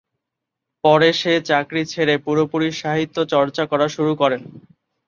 পরে সে চাকরি ছেড়ে উনি পুরোপুরি সাহিত্যচর্চা করা শুরু করেন।